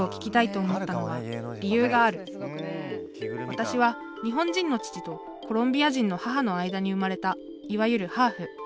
私は日本人の父とコロンビア人の母の間に生まれたいわゆるハーフ。